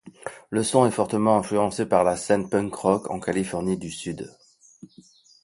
Leur son est fortement influencé par la scène punk rock en Californie du Sud.